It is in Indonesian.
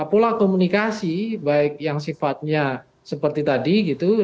pola komunikasi baik yang sifatnya seperti tadi gitu